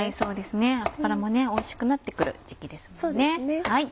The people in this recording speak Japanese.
アスパラもおいしくなってくる時期ですもんね。